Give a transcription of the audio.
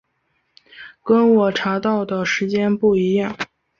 跟我查到的时间不一样